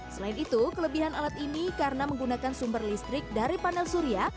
selain itu kelebihan alat ini karena menggunakan sumber listrik dari panel surya